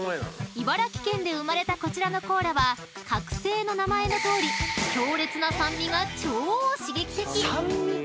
［茨城県で生まれたこちらのコーラは「覚醒」の名前のとおり強烈な酸味が超刺激的！］